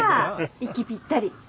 息ぴったり！